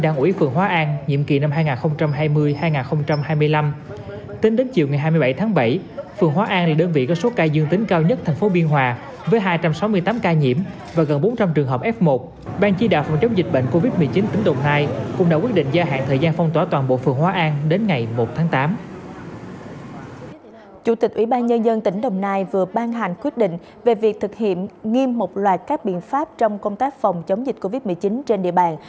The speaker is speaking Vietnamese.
nhân dân tp hcm vừa ban hành quyết định về việc thực hiện nghiêm một loạt các biện pháp trong công tác phòng chống dịch covid một mươi chín trên địa bàn